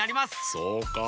そうか。